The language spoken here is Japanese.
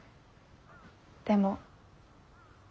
でも。